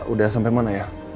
udah sampai mana ya